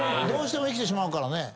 どうしても生きてしまう。